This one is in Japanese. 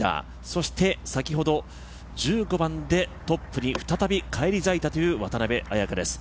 そして先ほど１５番でトップに再び返り咲いたという渡邉彩香です。